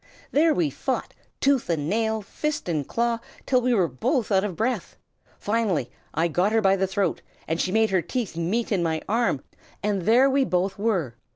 There we fought, tooth and nail, fist and claw, till we were both out of breath. Finally I got her by the throat, and she made her teeth meet in my arm, and there we both were.